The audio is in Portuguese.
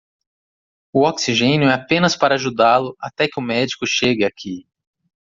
O oxigênio é apenas para ajudá-lo até que o médico chegue aqui.